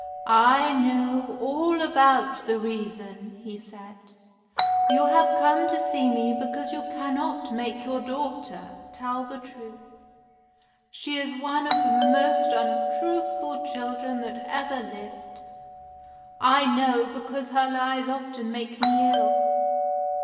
"I know all about the reason," he said. "You have come to see me because you cannot make your daughter tell the truth. She is one of the most untruthful children that ever lived. I know, because her lies often make me ill.